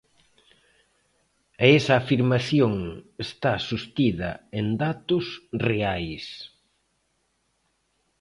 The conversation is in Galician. E esa afirmación está sostida en datos reais.